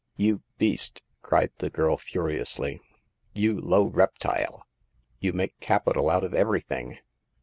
" You beast !" cried the girl, furiously, " you low reptile ! You make capital out of every thing.